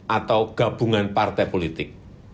atau gabungan partai politik